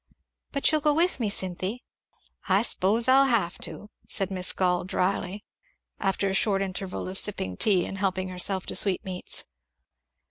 "But you'll go with me, Cynthy?" "I s'pose I'll have to," said Miss Gall dryly, after a short interval of sipping tea and helping herself to sweetmeats.